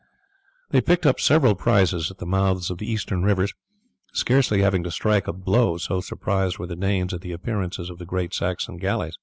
They picked up several prizes at the mouths of the eastern rivers, scarcely having to strike a blow, so surprised were the Danes at the appearances of the great Saxon galley.